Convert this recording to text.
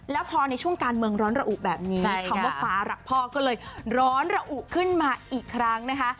แล้วพอในช่วงการเมืองร้อนระอุแบบนี้คำว่าฟ้ารักพ่อก็เลยร้อนระอุขึ้นมาอีกครั้งนะคะ